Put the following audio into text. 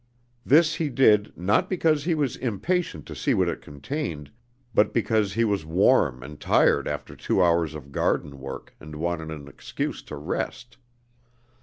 This he did, not because he was impatient to see what it contained, but because he was warm and tired after two hours of garden work and wanted an excuse to rest.